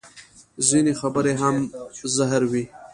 ځینې خبرې هم زهر وي